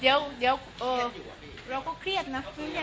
เดี๋ยวเราก็เครียดนะ